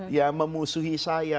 ya memusuhi saya